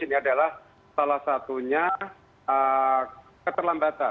ini adalah salah satunya keterlambatan